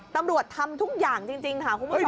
ตำรวจทำทุกอย่างจริงค่ะคุณผู้ชม